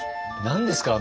何ですか？